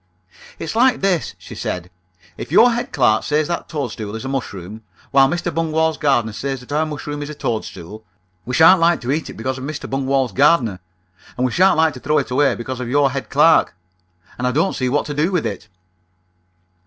"It's like this," she said. "If your head clerk says that our toadstool is a mushroom, while Mr. Bungwall's gardener says that our mushroom is a toadstool, we sha'n't like to eat it because of Mr. Bungwall's gardener, and we sha'n't like to throw it away because of your head clerk, and I don't see what to do with it."